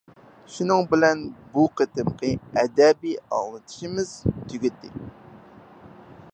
شۇنىڭ بىلەن بۇ قېتىمقى ئەدەبىي ئاڭلىتىشىمىز تۈگىدى.